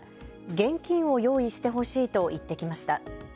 現金を用意してほしいと言ってきました。